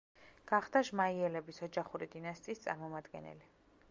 გახდა ჟმაიელების ოჯახური დინასტიის წარმომადგენელი.